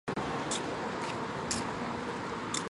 短序落葵薯为落葵科落葵薯属的植物。